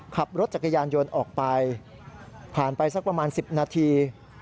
ขับรถจักรยานยนต์ออกไปผ่านไปสักประมาณ๑๐นาที